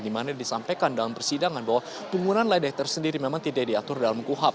dimana disampaikan dalam persidangan bahwa penggunaan light detector sendiri memang tidak diatur dalam kuhap